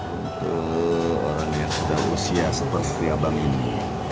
untuk orang yang sudah usia seperti abang ini